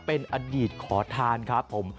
เป็นอดีตขอทานครับผม